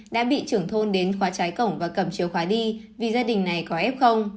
đã bị trưởng thôn đến khóa trái cổng và cầm chìa khóa đi vì gia đình này có f